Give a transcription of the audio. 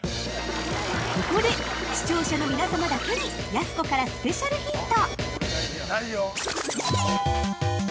◆ここで、視聴者の皆様だけにやす子からスペシャルヒント！